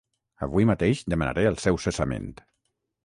Avui mateix demanaré el seu cessament.